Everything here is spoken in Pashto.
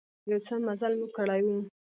يو څه مزل مو کړى و.